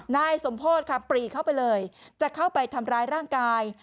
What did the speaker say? นายสมโพธิค่ะปรีเข้าไปเลยจะเข้าไปทำร้ายร่างกาย